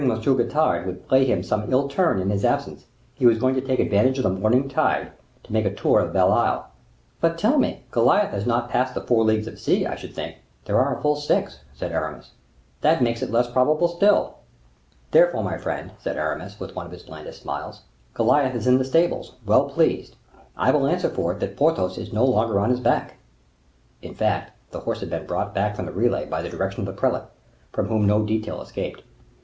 Getard would play him some ill turn in his absence, he was going to take advantage of the morning tide to make a tour of Belle Isle." "But tell me, Goliath has not crossed the four leagues of sea, I should think." "There are full six," said Aramis. "That makes it less probable still." "Therefore, my friend," said Aramis, with one of his blandest smiles, "Goliath is in the stable, well pleased, I will answer for it, that Porthos is no longer on his back." In fact, the horse had been brought back from the relay by the direction of the prelate, from whom no detail escaped.